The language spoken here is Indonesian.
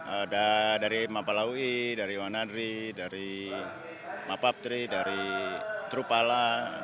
ada dari mapa laui dari wanadri dari mapa abdri dari tru pala